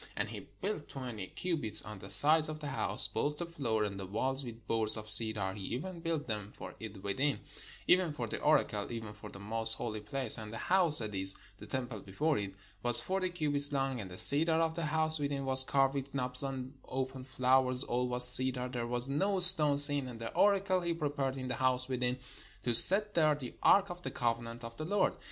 And he built twenty cubits on the sides of the house, both the floor and the walls with boards of cedar: he even built them for it within, even for the oracle, even for the most holy place. And the house, that is, the temple before it, was forty cubits long. And the cedar of the house within was carved with knops and open flowers : all was cedar ; there was no stone seen. And the oracle he prepared in the house within, to set there the ark of the covenant of the Lord.